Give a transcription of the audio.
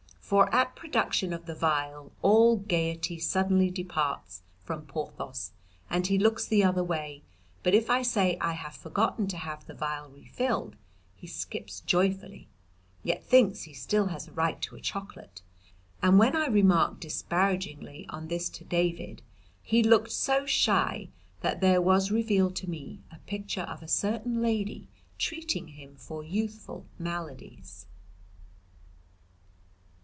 For at production of the vial all gaiety suddenly departs from Porthos and he looks the other way, but if I say I have forgotten to have the vial refilled he skips joyfully, yet thinks he still has a right to a chocolate, and when I remarked disparagingly on this to David he looked so shy that there was revealed to me a picture of a certain lady treating him for youthful maladies.